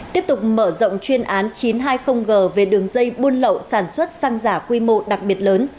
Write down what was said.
tiếp tục mở rộng chuyên án chín trăm hai mươi g về đường dây buôn lậu sản xuất xăng giả quy mô đặc biệt lớn